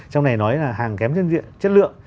trong này nói là hàng kém chất lượng